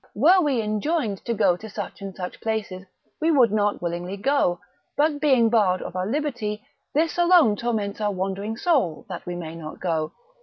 Were we enjoined to go to such and such places, we would not willingly go: but being barred of our liberty, this alone torments our wandering soul that we may not go.